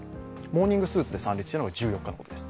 モーニングスーツで参列したのが１４日です。